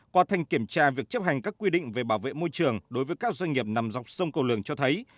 qua thanh kiểm tra việc chấp hành các quy định về bảo vệ môi trường đối với các doanh nghiệp nằm dọc sông cầu lường cho thấy